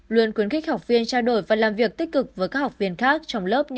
luôn khuyến khích học viên trao đổi và làm việc tích cực với các học viên khác trong lớp